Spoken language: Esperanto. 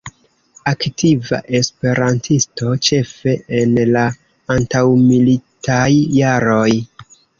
Aktiva E-isto ĉefe en la antaŭmilitaj jaroj.